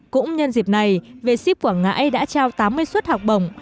cũng nhân dịp này v ship quảng ngãi đã trao tám mươi suất học bổng